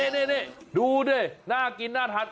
นี่ดูดิน่ากินน่าทาน